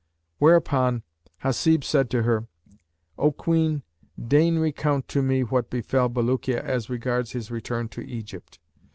Thereupon Hasib said to her, "O Queen, deign recount to me what befell Bulukiya as regards his return to Egypt."